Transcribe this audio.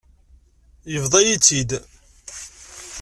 Yebḍa-yi-tt-id.